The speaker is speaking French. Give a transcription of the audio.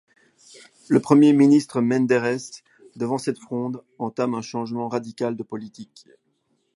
Le premier ministre Menderes, devant cette fronde, entame un changement radical de politique.